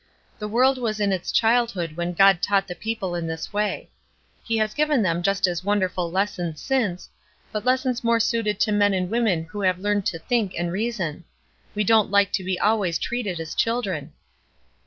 The world was in its childhood when God taught the people in this way. He has given them just as wonderful lessons since, but lessons more suited to men and women who have learned to think and reason. We don't like to be always treated as children."